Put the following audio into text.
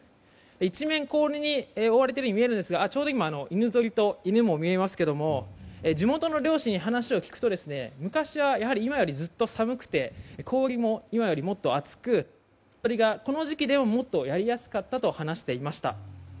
一面氷に覆われているように見えるんですがちょうど今犬ぞりと犬も見えますけれども地元の猟師に話を聞くと昔は今よりずっと寒くて氷も今よりもっと厚く犬ぞりがもっとやりやすかったと話していました。